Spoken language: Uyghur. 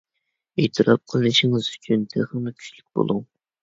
ئېتىراپ قىلىنىشىڭىز ئۈچۈن تېخىمۇ كۈچلۈك بولۇڭ!